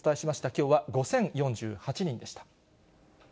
きょうは５０４８人でした。